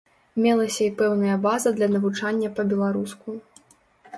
Мелася і пэўная база для навучання па-беларуску.